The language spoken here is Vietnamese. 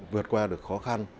vượt qua được khó khăn